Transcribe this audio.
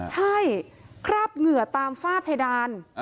ใช่คราบเหงื่อตามฝ้าเพดาน